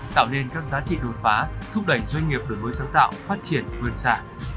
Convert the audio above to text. tạo nên các giá trị đột phá thúc đẩy doanh nghiệp đổi mới sáng tạo phát triển vươn sản